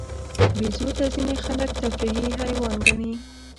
بیزو ته ځینې خلک تفریحي حیوان ګڼي.